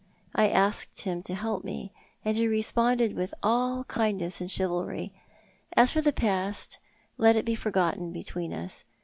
I asked him to help me, and he responded with all kindness and chivalry. As for the past, let it be forgotten between us.